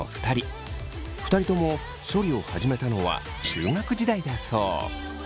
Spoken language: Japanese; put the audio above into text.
２人とも処理を始めたのは中学時代だそう。